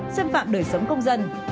xâm phạm đời sống công dân